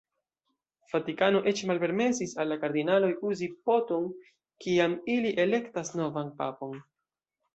Vatikano eĉ malpermesis al la kardinaloj uzi po-ton, kiam ili elektas novan papon.